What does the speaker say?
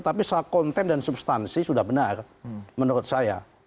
tapi soal konten dan substansi sudah benar menurut saya